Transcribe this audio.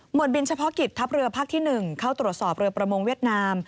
บินเฉพาะกิจทัพเรือภาคที่๑เข้าตรวจสอบเรือประมงเวียดนาม